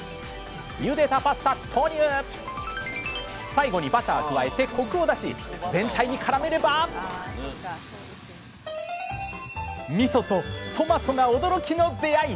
最後にバター加えてコクを出し全体にからめればみそとトマトが驚きの出会い⁉